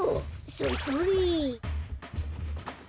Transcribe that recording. それそれ。